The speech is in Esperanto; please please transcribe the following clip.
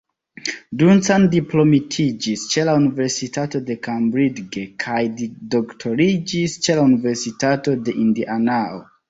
Duncan diplomitiĝis ĉe la Universitato de Cambridge kaj doktoriĝis ĉe la Universitato de Indianao.